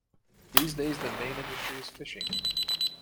These days the main industry is fishing.